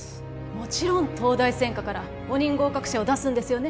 もちろん東大専科から５人合格者を出すんですよね？